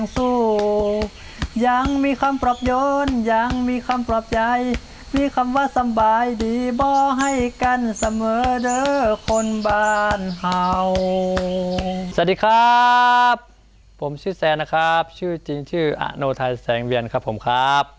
สวัสดีครับผมชื่อแซนนะครับชื่อจริงชื่ออโนไทยแสงเวียนครับผมครับ